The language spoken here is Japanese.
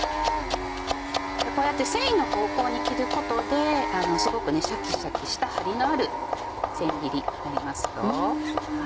こうやって繊維の方向に切ることですごくシャキシャキした張りのある千切りになりますよ。